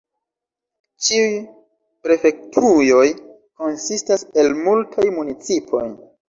Ĉiuj prefektujoj konsistas el multaj municipoj.